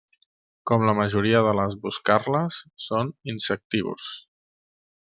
Com la majoria de les boscarles, són insectívors.